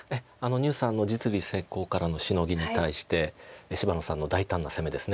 牛さんの実利先行からのシノギに対して芝野さんの大胆な攻めです。